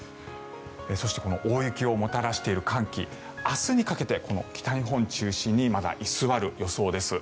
そしてこの大雪をもたらしている寒気明日にかけて北日本中心にまだ居座る予想です。